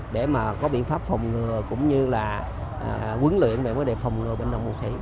để mà có biện pháp phòng ngừa cũng như là quấn luyện để phòng ngừa bệnh đậu mùa khỉ